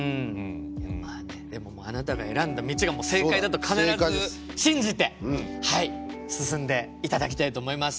まあねでもあなたが選んだ道が正解だと必ず信じてはい進んで頂きたいと思います。